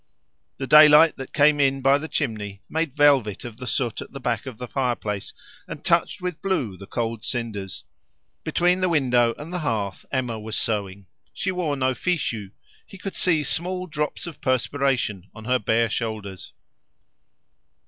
The daylight that came in by the chimney made velvet of the soot at the back of the fireplace, and touched with blue the cold cinders. Between the window and the hearth Emma was sewing; she wore no fichu; he could see small drops of perspiration on her bare shoulders.